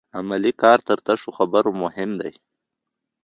عملي کار تر تشو خبرو مهم دی.